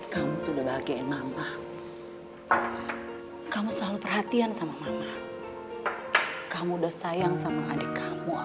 kamu tuh udah bahagiain mama kamu selalu perhatian sama mama kamu udah sayang sama adik kamu